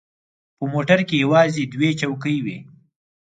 په موټر کې یوازې دوې چوکۍ وې.